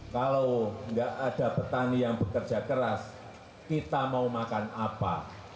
kalau nggak ada petani yang bekerja keras kita mau makan apa